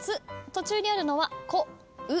途中にあるのは「こ」「う」